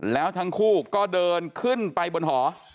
แล้วทั้งคู่ก็เดินขึ้นไปบนหอ